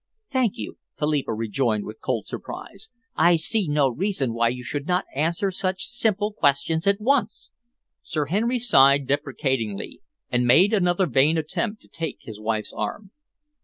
"Thank you," Philippa rejoined, with cold surprise; "I see no reason why you should not answer such simple questions at once." Sir Henry sighed deprecatingly, and made another vain attempt to take his wife's arm.